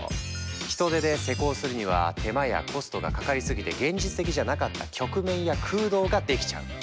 人手で施工するには手間やコストがかかりすぎて現実的じゃなかった曲面や空洞ができちゃう。